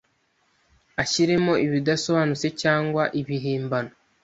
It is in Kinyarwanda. ashyiremo ibidasobanutse cyangwa ibihimbano.